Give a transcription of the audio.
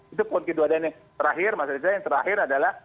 itu pun ke dua dan yang terakhir masyarakat kita yang terakhir adalah